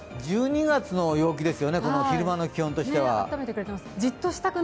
１２月の陽気ですよね、昼間の気温としては。